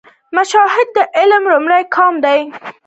مشاهده د علم لومړی ګام دی